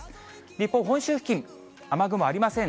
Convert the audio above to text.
一方、本州付近、雨雲ありません。